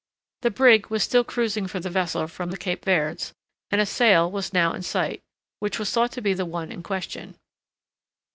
The brig was still cruising for the vessel from the Cape Verds, and a sail was now in sight, which was thought to be the one in question.